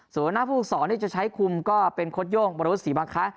ส่วนหน้าภูมิสอนี่จะใช้คุมก็เป็นโค้ดโยงบริษัทธิบัตรค่ะ